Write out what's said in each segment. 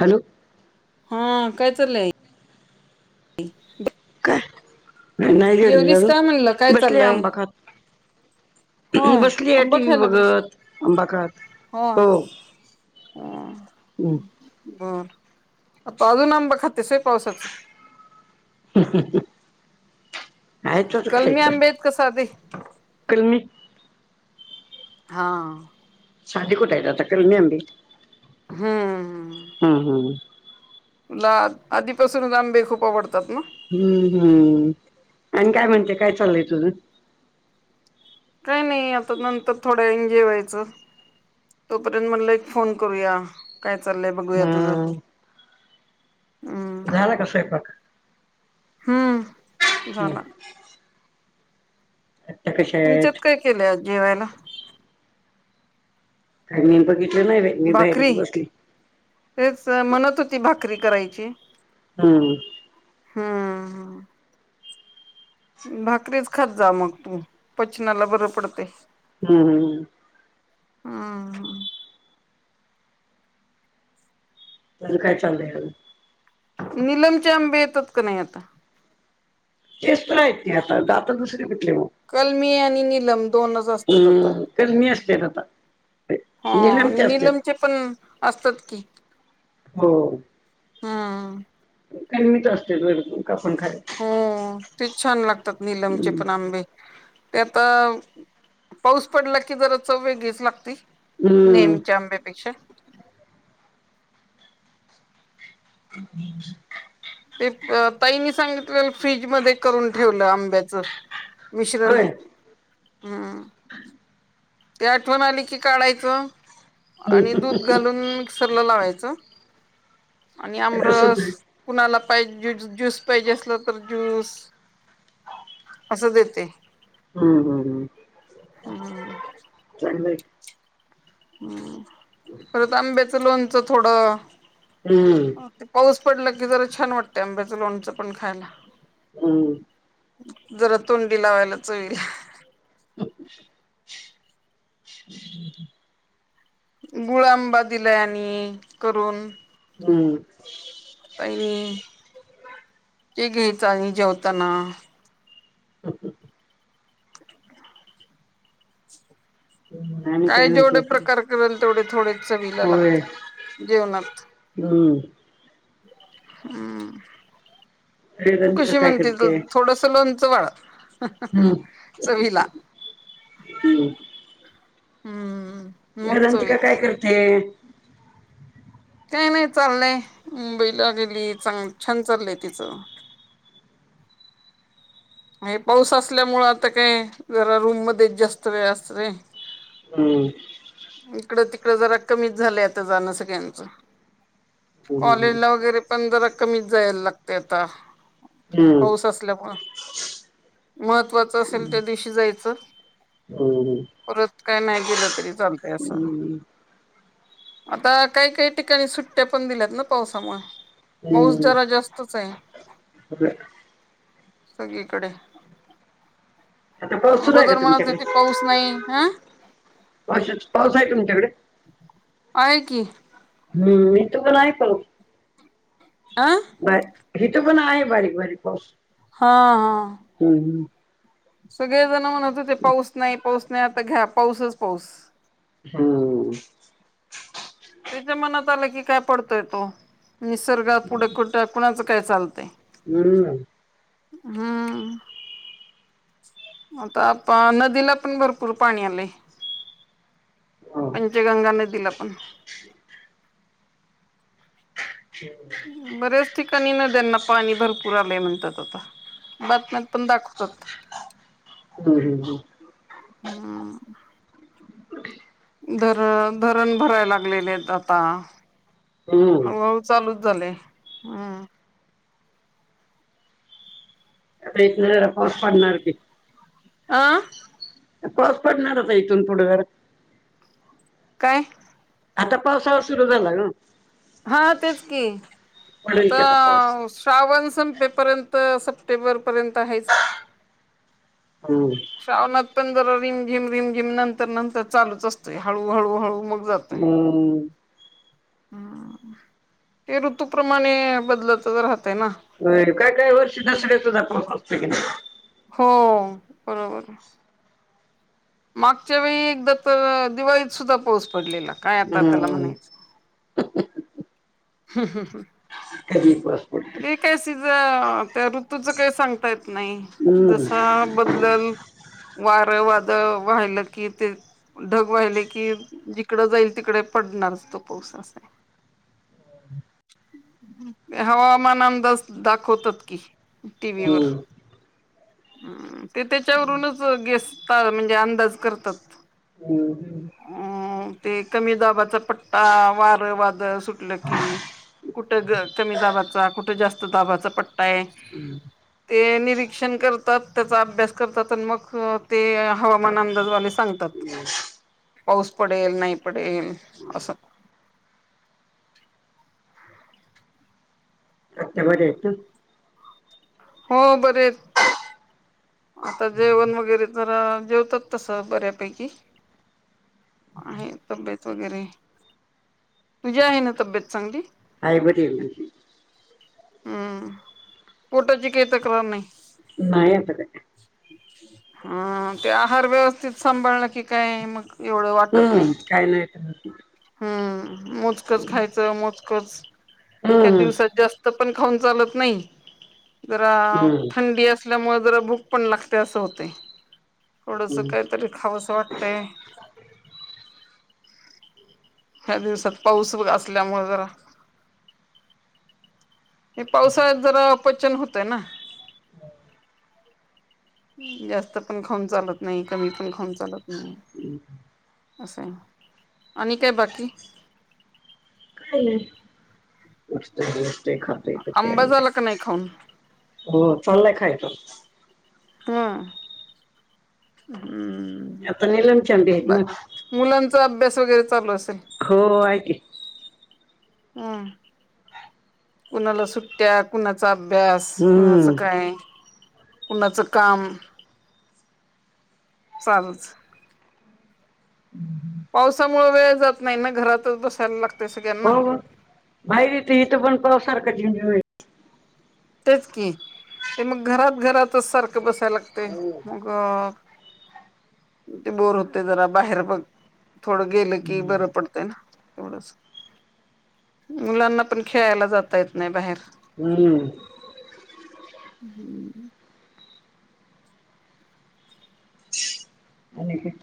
Hello, हा काय चाललंय? काय नाही गेली, जेवलीस काय म्हणलं काय बसली चाललंय आंबा खात. होय बसली आहे आंबा टी व्ही खायला लागलीस बघत, अंबा खात,, हो. बर, आता अजून आंबा खातेस व्हय, पावसाच. आहे तच कलमी खायचं आंबे की साधे, कलमी हा, साधी कुठे येत आता, कलमी आमबी, हम्म हम्म, हम्म. तुला, आधीपासून आंबे खूप आवडतात ना. हम्म, हम्म आणि काय म्हणते? काय चाललंय तुझ? काही नाही, आता नंतर थोडं एन जेवायचं. तोपर्यंत मनलं एक फोन करूया, काय चाललंय बघूया तुझ. हम्म झाला का स्वयंपाक? हम्म, हं. झाला. आत्या कशा तुमच्यात आहेत काय केलंय आज जेवायला? आणि मे बऽ भाकरी,, तेच म्हणत होती भाकरी करायची. हम्म, हा, ह भाकरीच खात जा मग तू,, पचनाला बरं पडतय. हम्म, हम्मम, हम्, ह तुझ काय चाललंय अजून.? निलमचे आंबे येतात का नाही आता? तेच तर आहेत, आता दुसर कुऽ ले अमग, कलमी आणि निलम दोनच असतात कलमी असत्यात आता. हां, आणि निलमते असते निलमचे पण असतात की. हो, हा, खन्मित असत्यात वयऽ [inaudible] हो, तेच छान लागतात निीलमचे पण आंबे. ते आता, पाऊस पडला की जरा चव वेगळीच लागती. हम्म नेहमीच्या आंब्या पेक्षा. क [inaudible] ते, अं ताईनी सांगितलेल फ्रीज मध्ये करून ठेवलं,, आंब्याचं. मिश्रण, होय हम्म. ते आठवण आली की काढायचं, आणि दूध घालून मिक्सरला लावायचं. आणि रस आमरस, होतोय कुणालाऽ पायजे, ज्यूस पाहिजे असलं तर ज्यूस,, असं देते. हम्म, हम् हम्, हम्म चांगलय कि. हम्म, परत आंब्याचं लोणचं थोडंऽ हम्म ते, पाऊस पडला की जरा छान वाटतंय आंब्याचं लोणचं पण खायला. हम, जरा तोंडी लावायला चवीलऽ ् [inaudible] गुळा आंबा दिलाय आणि, करून. हम्म, काही नाही, ते घेयच आणि जेवताना. हम्, हमं, [inaudible] आणि काय म्हणते जेवढे प्रकार करेल तेवढेऽ चवीला होय लागतात, जेवनाऽ हम्म हम्म, तू वेदांतिका कशी काय म्हणते, करते थोडस लोनचं वाढऽऽ हम्म चवीला,, हम्म. मग र चव रंतिका येते काय करते? काय नाही चाललंय,, मुंबईला गेली चां, ग छान चाललंय तिचं. आणि पाऊस असल्यामुळे, आता काय जरा रूम मध्येच जास्त वेळ असतोय. हम्म. आता जरा कमीच झालं आता जाणं सगळ्यांचं, हम्म कॉलेजला वगैरे पण जरा कमीच जायला लागते आता, हम्म पाऊस असल्यामुळे. महत्त्वाच असेल, त्या दिवशी जायचं. हम्म परत काय नाही गेलं. तरी चालतय, असं. हम्म आता काही काही ठिकाणी सुट्ट्या पण दिल्यात ना पावसामुळे, पाऊस जरा जास्त च आहे. आपल्या सगळीकडे, आता पाऊस सुरू आहे का अगोदर म्हणत तुमच्याकडे होते पाऊस नाही. हा. पावसाच पाऊस आहे तुमच्याकडे आहे की हम्म. मी, तुला नाही करू अ हा बर हिथं पण आहे, बारीक-बारीक पाऊस. हा.. हा. हम्म सगळे जणं म्हणत होते, पाऊस नाही, पाऊस नाही. आता घ्या, पाऊसच पाऊस. हम्म. त्याच्या मनात आलं की, काय पडतंय तो. निसर्गा पुढे कुठं कुणाचं काय चालतयं? हम्. हम्म. आता पण, नदीला पण भरपूर पाणी आलंय पंचगंगा नदीला पण. बऱ्याच ठिकाणी नद्यांना, पाणी भरपूर आलंय म्हणतात आता. बातम्यात पण दाखवतात. हम्म हम्. धरण, धरण भरायं लागलेले आहेत आता. हम्म. हळूहळू चालूच. झाले, हम्म. आता इथं जरा, पाऊस पडणार की आ. पाऊस पडणारच आहे, इथून पुढं जरा काय? आता पावसाळा सुरू झाला ना. हा तेच की, पडेल आता की पाऊस. श्रावण संपेपर्यंत सप्टेंबर पर्यंत आहेच की, हम्म. श्रावणात पण जरा रिम-झिम-रिम-झिम, नंतर-नंतर चालूच असतोय. हळू-हळू-हळू मग हम्म. हम्.. ते ऋतूप्रमाणे, बदलतच राहतं. होय. काय-काय वर्षी, दसऱ्यात सुद्धा पाऊस असतो की नाही? हो, बरोबर. मागच्या वेळी एकदा तर, दिवाळीत सुद्धा पाऊस पडलेला. काय आतां त्याला हम्म म्हणायचं? हं हं हम्. कधीही पाऊस? पडतो. ते काय सिजं, त्या ऋतूचं काही सांगता येत नाही. हम्म. जसा बदलंल. वारं-वादळ वहिलं की, ते ढग वाहिले की, जिकडं जाईल तिकडे पडणारच. तो पाऊस. ते हवा - मान अंदाज दाखवतात की, टीव्ही वर. हम्म हं. ते त्याच्यावरूनच गेस करतात, म्हणजे अंदाज करतात. हम्म. हम्. अं ते कमी दाबाचा पट्टा वार वादळ सुटलं की कुठ ग कमी दाबाचा ठ जास्त दाबाचा पट्टा हे ते निरी क्षण करतात त्याचा अभ्यास करतात अन् मग ते हवामान अंदाजवाले सांगतात. पाऊस पडेल नाही पडेल असं आत्या बऱ्या आहेत ना? हो बरं आता जेवण वगैरे जरा जेवतात तसं बऱ्यापैकी आहे तब्येत वगैरे तुझी आहे ना तब्येत चांगली हाय बरी हे माझी हम्म फोटोची के तक्रार नाही. नाही आता काही हा ते आहार व्यवस्थित सांभाळलं की काय मग एवढं वाटत नाही हम्म काय नाही तर मोजकचं खायचं मोजकचं ह्या हम्म दिवसात जास्त पण खाऊन चालत नाही जरा हम्म थंडी अस. ल्यामुळे जरा भूक पण लागते असं होतंय थोडसं हम्म काहीतरी खावंस वाटतंय. ह्या दिवसात पाऊस असल्यामुळं जरा हे पावसाळ्यात जरा अपचन होतंय ना. [unintelligible] जास्त पण खाऊन चालत नाही कमी पण खाऊन चालत नाही. [unintelligible] असं हे आणि काय बाकी काय नाही [inaudible] ते खात हे आंबा प्याल दे झाला का नाही खाऊन हो चांललंय खायच हां हम्म आता निलमची आंबी आहेत ना मग मुलांचा अभ्यास वगैरे चालू असेल. हो आहे ते हम् कुणाला सुट्ट्या कुणाचा भ्यास कुणाचं हम्म काय कुणाचं काम चालूच [inaudible] पावसामुळं वेळ जात नाही ना घरातच बसायल लागत. हो व बाहेर इथी इथं पण पाऊस सारखं झिमझिम हे तेच की ते मग घरात घरातच सारखं बसाय लागतंय हम्म मग ते बोर होते जरा बाहेर बघ, थोडं गेलं की बरं पडतय ना एवढच मुलांना पण खेळायला जाता येत नाही बाहेर. हम्म [inaudible] आणि काय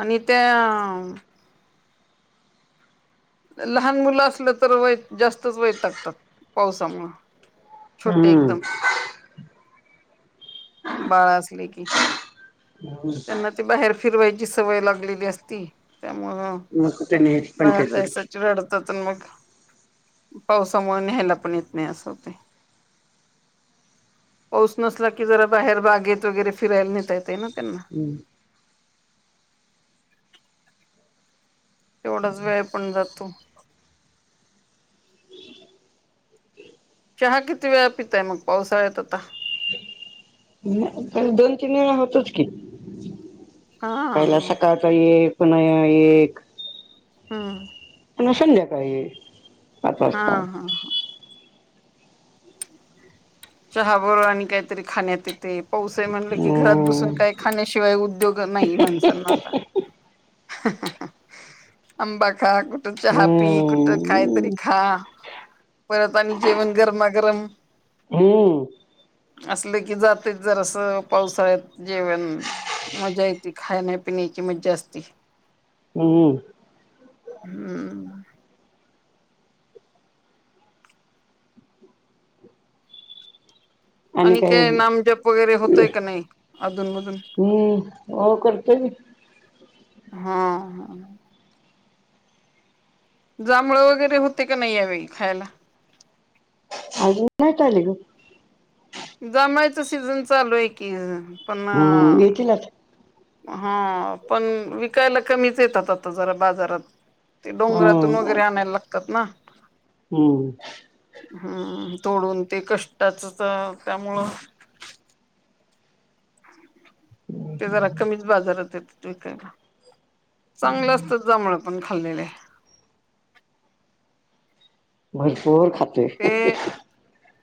आणि त्या लहान मुलं असलं तर वय जास्तच वैतागतात पावसामुळं छोटे हम्म एकदम बाळ असले की, त्यांना ते बाहेर फिरवायची सवय लागलेली असती त्या मुळं मग कुठे नाही बाहेर पंचायत पुढची जायसाच रडतात मग पावसामुळं न्यायला पण येत नाही असं होतंय. पाऊस नसला की जरा बाहेर बागेत वगैरे फिरायला नेता येते ना त्यांना तेवढाच वेळ पण जातो, चहा किती वेळा पिताये मग पावसाळ्यात आता हम्म दोन किलोला होतोच की. हा हा पहिला सकाळच हे एक पुन्हा ह्य एक. हा. पुन्हा संध्याकाळी पाच हा वाजता हा हा. चहा बरोबर आणि काहीतरी खाण्यात येते पाऊस हाय म्हटलं की घरात हम्म बसून काय खाण्याशी शिवाय उद्योग नाई माणसांना आता आंबा खा, कुठं चहा पि, कुठं काय तरी हम्म खा परत आणि जेवण गरमागरम हम्म. असलं की जातयच जरासं पावसाळ्यात जेवण. मजा येते खाण्यापिण्याची मज्जा असते. हम्म. हम्म. आणि काय नामजप वगैरे होतोय का नाई अधूनमध हम्म हो करतोय मी. [inaudible] जांभळ वैगरे अजून नाहीत आलेलं. जांभळ्याचा सीझन चालू हाय की, पण हम्म येतील आता हा पण विकायला कमीच येतात आता जरा बाजारात. ते डोंगरातून हम्म वगैरे आणायला लागतात ना. हम्म. हम्म तोडून ते कष्टचंच अ त्यामुळं ते जरा कमीच बाजारात येतात विकायला चांगलं असतात जांभळं पण खाल्लेले भरपूर खातोय ते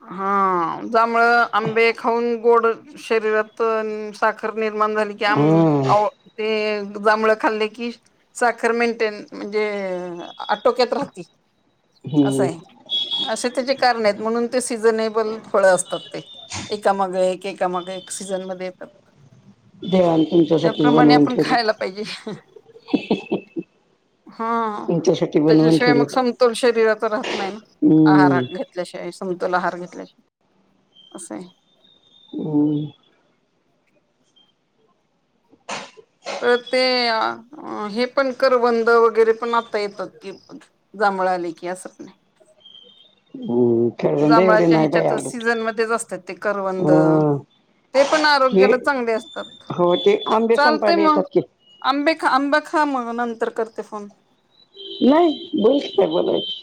हा. हां जांभळं, आंबे खाऊन गोड शरीरातं आणि साखर निर्माण झाली की हा आंब आओ ते जांभाळं खाल्ले की साखर मेन्टेन म्हणजे आटोक्यात राहती अस हम्म हाय असे त्याचे कारन हायत म्हणून ते सिझनेबल फळं असतात ते एकामाग एक एकामाग एक सीझनमध्ये येतात देवान तुमच्यासाठी त्याप्रमाणे बनवून आपण ठेवलेत खायायला पाहिजे हा तुमच्यासाठी बनवून त्याच्याशिवाय मग ठेवलेत समतोल शरीराचा राहत नाई ना हम्म आहारत घेतल्याशिवाय समतोल आहार घेतल्याशी असं हाय हम्म परत ते अ हे पण करवंद वगैरे पण आता येतात कि जा भळं आले कि असं पण हाय [inaudible] करवंद एवढे जांभळाच्या नाही बाई ह्याच्यातच आवडत सीझनमध्येच असतात ते करवंद हा ते पण हे आरोग्याला चांगले असतात हो ते आंबे चाल तंय संपायला म येतात की आंबे खा आंब खा मग नंतर करते फोन. नाही बोलकी काय बोलायच